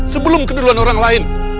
sebelum keduluan orang lain